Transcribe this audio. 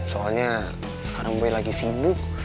soalnya sekarang gue lagi sibuk